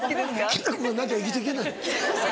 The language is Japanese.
きな粉がなきゃ生きてけない。